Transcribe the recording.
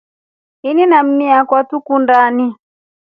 Ini na mii akwe tukundani.